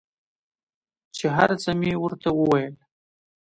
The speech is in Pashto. چې هر څه مې ورته وويل.